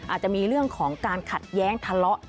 อาจจะมีเรื่องของการขัดแย้งทะเลาะ